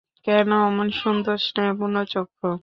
কেন, অমন সুন্দর স্নেহপূর্ণ চক্ষু!